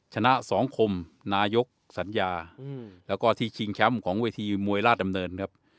ชนะสองคมนายกสัญญาแล้วก็ที่ชิงแชมป์ของเวทีมวยราชดำเนินครับ